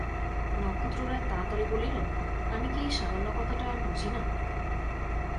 নক্ষত্ররায় তাড়াতাড়ি বলিলেন, আমি কি এই সামান্য কথাটা আর বুঝি না!